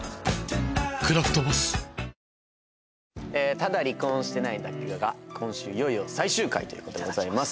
『ただ離婚してないだけ』が今週いよいよ最終回ということでございます。